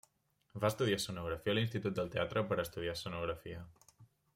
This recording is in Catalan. Va estudiar escenografia a l'Institut del Teatre per estudiar escenografia.